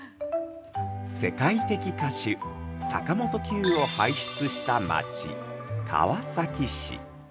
◆世界的歌手・坂本九を輩出した町、川崎市。